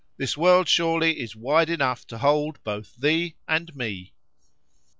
——This world surely is wide enough to hold both thee and me.